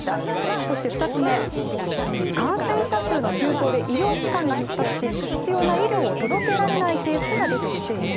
そして２つ目、感染者数の急増で医療機関がひっ迫し必要な医療を届けられないケースが出てきている。